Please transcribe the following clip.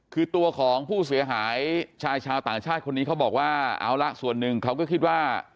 คือตัวของผู้เสียหายชายชาวต่างชาติคนนี้เขาบอกว่าเอาละส่วนหนึ่งเขาก็คิดว่า